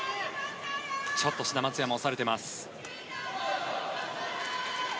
ちょっと志田・松山押されてます。